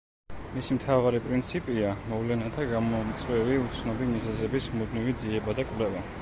მისი მთავარი პრინციპია მოვლენათა გამომწვევი უცნობი მიზეზების მუდმივი ძიება და კვლევა.